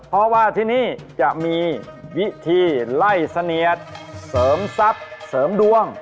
เพราะว่าที่นี่จะมีวิธีไล่เสนียดเสริมทรัพย์เสริมดวง